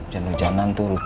jangan hujanan tuh